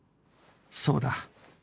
そうだ